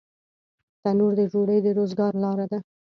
تنور د ډوډۍ د روزګار لاره ده